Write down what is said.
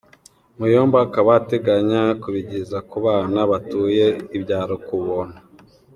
Muyombo akaba ateganya kubigeza ku bana batuye ibyaro ku buntu.